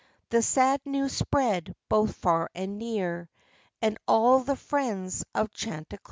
The sad news spread both far and near, And all the friends of Chanticleer *•\ 4 V